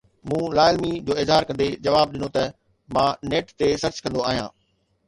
مون لاعلمي جو اظهار ڪندي جواب ڏنو ته مان نيٽ تي سرچ ڪندو آهيان.